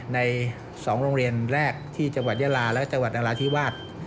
ใน๒โรงเรียนแรกที่จังหวัดยาลาและจังหวัดนราธิวาส